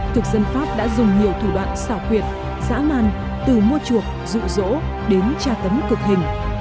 thực dân pháp đã dùng nhiều thủ đoạn xảo quyệt giã man từ mua chuộc dụ dỗ đến tra tấm cực hình